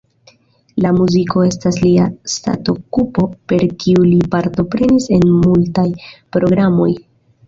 La muziko estas lia ŝatokupo, per kiu li partoprenis en multaj programoj.